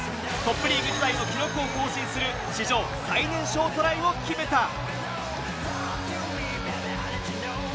トップリーグ時代の記録を更新する史上最年少トライを決めた。